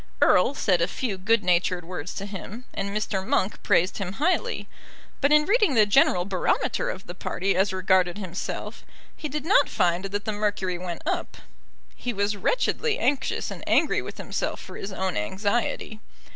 Erle said a few good natured words to him, and Mr. Monk praised him highly. But in reading the general barometer of the party as regarded himself, he did not find that the mercury went up. He was wretchedly anxious, and angry with himself for his own anxiety.